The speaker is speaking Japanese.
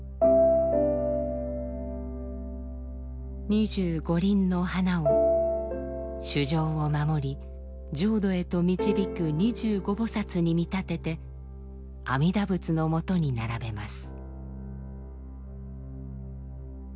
二十五輪の花を衆生を守り浄土へと導く二十五菩薩に見立てて阿弥陀仏のもとに並べます。